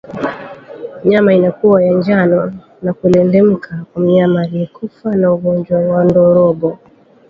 Nyama inakuwa ya njano na kulendemka kwa mnyama aliyekufa na ugonjwa wa ndorobo